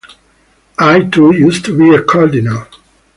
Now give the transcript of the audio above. I, too, used to be a Cardinal.